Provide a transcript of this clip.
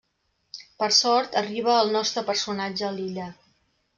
Per sort, arriba el nostre personatge a l'illa.